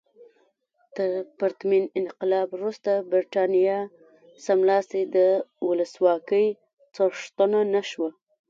تر پرتمین انقلاب وروسته برېټانیا سملاسي د ولسواکۍ څښتنه نه شوه.